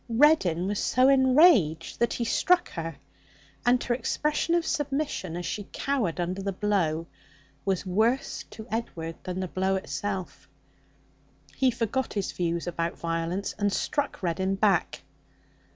Reddin was so enraged that he struck her, and her expression of submission as she cowered under the blow was worse to Edward than the blow itself. He forgot his views about violence, and struck Reddin back.